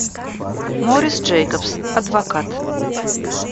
Морис Джейкобс, адвокат.